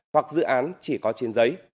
hoặc dự án chỉ có trên giấy